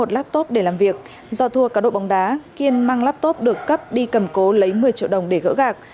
một laptop để làm việc do thua cá độ bóng đá kiên mang laptop được cấp đi cầm cố lấy một mươi triệu đồng để gỡ gạc